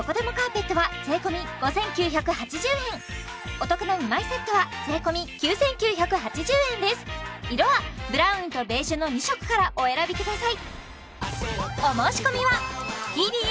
お得な２枚セットは税込９９８０円です色はブラウンとベージュの２色からお選びください